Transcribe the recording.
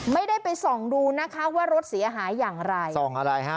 ไม่ได้ไปส่องดูนะคะว่ารถเสียหายอย่างไรส่องอะไรฮะ